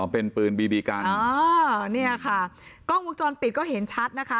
เป็นปืนบีบีกันอ๋อเนี่ยค่ะกล้องวงจรปิดก็เห็นชัดนะคะ